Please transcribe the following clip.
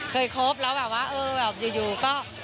เคยคบแล้วแบบว่าอยู่ก็